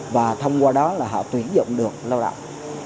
và thông qua đó là họ tuyển dụng được lao động